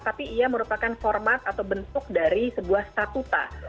tapi ia merupakan format atau bentuk dari sebuah statuta